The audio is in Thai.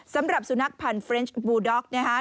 สำหรับสุนัขพันธ์เฟรนชบูด็อกนะครับ